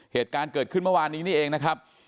เหตุการณ์เกิดขึ้นเมื่อวานนี้นี่เองนะครับ